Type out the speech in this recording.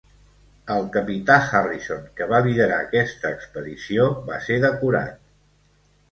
El capità Harrison, que va liderar aquesta expedició, va ser decorat.